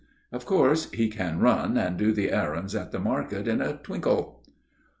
Of course he can run and do the errands at the market in a twinkle.